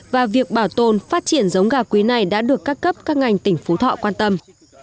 và việc bảo tồn phát triển giống gà quý này đã được các cấp các ngành tỉnh phú thọ quan tâm